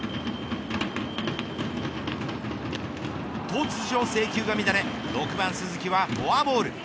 突如、制球が乱れ６番鈴木はフォアボール。